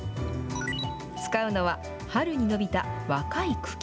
使うのは、春に伸びた若い茎。